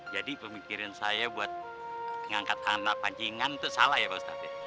jadi pemikiran saya buat mengangkat anak pancingan itu salah ya pak ustadz